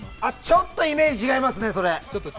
ちょっとイメージ違いますね、それ。